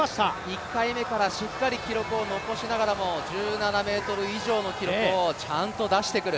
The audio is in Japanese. １回目からしっかり記録を残しながらも１７ｍ以上の記録をちゃんと残してくる。